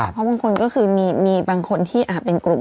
เพราะบางคนก็คือมีบางคนที่เป็นกลุ่ม